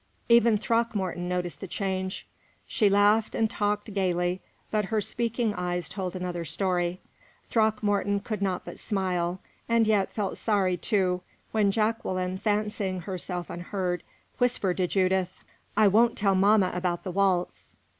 Even Throckmorton noticed the change. She laughed and talked gayly, but her speaking eyes told another story. Throckmorton could not but smile, and yet felt sorry, too, when Jacqueline, fancying herself unheard, whispered to Judith: "I won't tell mamma about the waltz."